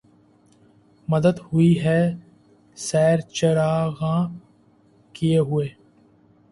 مدّت ہوئی ہے سیر چراغاں کئے ہوئے